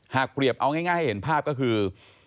เปรียบเอาง่ายให้เห็นภาพก็คือ